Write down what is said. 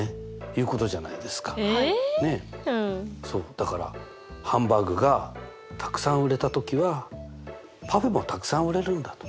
だからハンバーグがたくさん売れた時はパフェもたくさん売れるんだと。